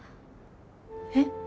えっ？